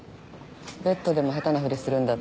ベッドでも下手なふりするんだって。